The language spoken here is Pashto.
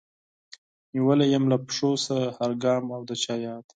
نيولی يم له پښو څخه هر ګام او د چا ياد